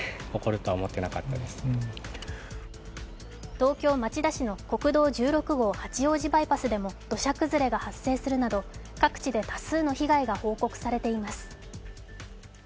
東京・町田市の国道１６号八王子バイパスでも土砂崩れが発生するなど、各地で多数の被害が報告されています。